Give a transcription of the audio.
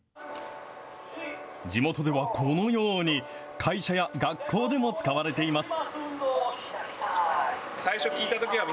地元ではこのように、会社や学校でも使われています。